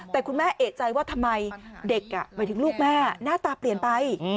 แต่คุณแม่เอกใจว่าทำไมเด็กหมายถึงลูกแม่หน้าตาเปลี่ยนไป